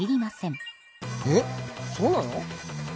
えっそうなの？